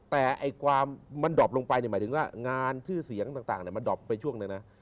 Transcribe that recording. แต่ความมันดอบลงไปหมายถึงว่างานชื่อเสียงต่างมันดอบไปช่วงหนึ่งนะ